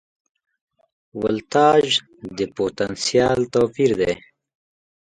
ولتاژ د پوتنسیال توپیر دی.